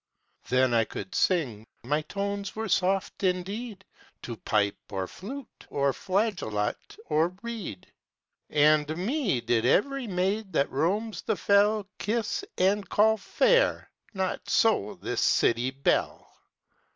Then I could sing my tones were soft indeed! To pipe or flute or flageolet or reed: And me did every maid that roams the fell Kiss and call fair: not so this city belle.